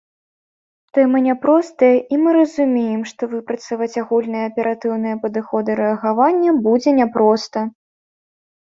Тэма няпростая, і мы разумеем, што выпрацаваць агульныя аператыўныя падыходы рэагавання будзе няпроста.